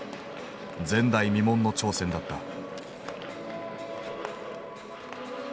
前代未聞の挑戦だった。